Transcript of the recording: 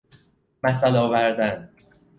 مثل آوردن